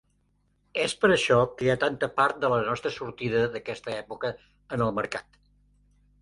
És per això que hi ha tanta part de la nostra sortida d'aquesta època en el mercat.